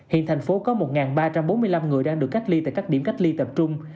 hiện thành phố có một ba trăm bốn mươi năm người đang được cách ly tại các điểm cách ly tập trung